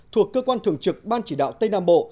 thuộc cơ quan thường trực ban chỉ đạo tây nam bộ